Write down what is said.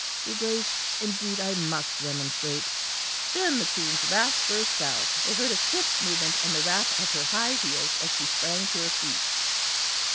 "Your Grace, indeed I must remonstrate " Then the Queen's wrath burst out; they heard a swift movement, and the rap of her high heels as she sprang to her feet.